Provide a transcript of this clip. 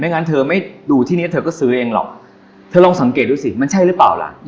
งั้นเธอไม่ดูที่เนี้ยเธอก็ซื้อเองหรอกเธอลองสังเกตดูสิมันใช่หรือเปล่าล่ะ